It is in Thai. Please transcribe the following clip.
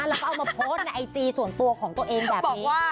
แล้วก็เอามาโพสต์ในไอจีส่วนตัวของตัวเองแบบนี้ว่า